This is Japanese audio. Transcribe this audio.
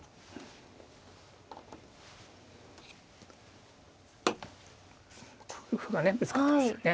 ここで歩がねぶつかってますよね。